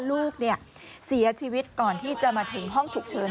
ลูกเสียชีวิตก่อนที่จะมาถึงห้องฉุกเฉิน